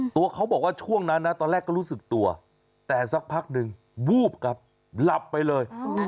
ตัวเขาบอกว่าช่วงนั้นนะตอนแรกก็รู้สึกตัวแต่สักพักหนึ่งวูบกลับหลับไปเลย